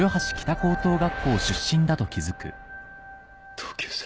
同級生。